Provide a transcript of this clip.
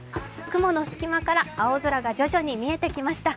雲の隙間から青空が徐々に見えてきました。